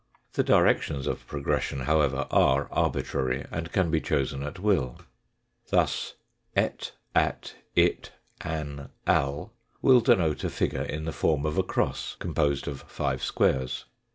The directions of progression, however, are arbitrary, and can be chosen at will. Thus et, at, it, an, al will denote a figure in the form of a cross composed of five squares.